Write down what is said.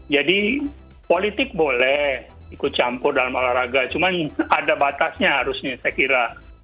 jadi politik boleh ikut campur dalam olahraga cuman ada batasnya harusnya saya kira